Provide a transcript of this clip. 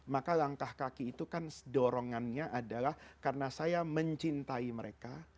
maka langkah kaki itu kan dorongannya adalah karena saya mencintai mereka